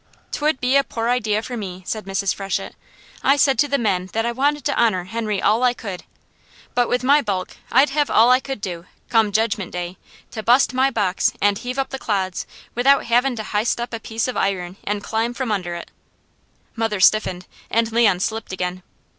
"'Twould be a poor idea for me," said Mrs. Freshett. "I said to the men that I wanted to honour Henry all I could, but with my bulk, I'd hev all I could do, come Jedgment Day, to bust my box, an' heave up the clods, without havin' to hist up a piece of iron an' klim from under it." Mother stiffened and Leon slipped again.